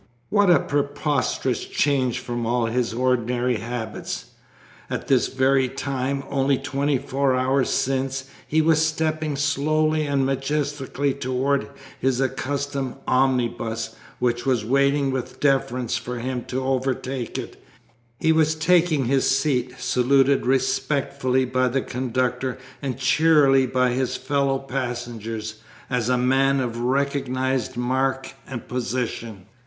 What a preposterous change from all his ordinary habits! At this very time, only twenty four hours since, he was stepping slowly and majestically towards his accustomed omnibus, which was waiting with deference for him to overtake it; he was taking his seat, saluted respectfully by the conductor and cheerily by his fellow passengers, as a man of recognised mark and position.